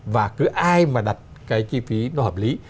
và cứ ai mà đặt cái chi phí nó hợp lý